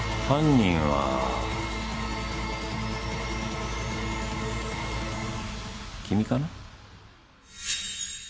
犯人は君かな？